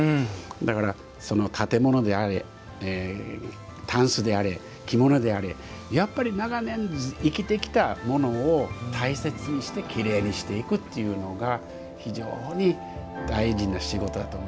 だから建物であれたんすであれ着物であれやっぱり長年生きてきたものを大切にしてきれいにしていくっていうのが非常に大事な仕事だと思います。